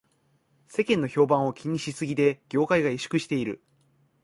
世間の評判を気にしすぎで業界が萎縮している